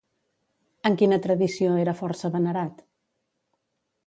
En quina tradició era força venerat?